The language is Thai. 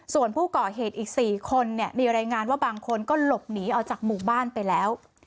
ส่วนผู้ก่อเหตุอีก๔คนเนี่ยมีรายงานว่าบางคนก็หลบหนีออกจากหมู่บ้านไปแล้ว